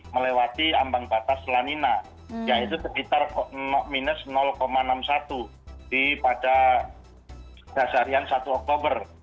melewati ambang batas lanina yaitu sekitar minus enam puluh satu pada dasarian satu oktober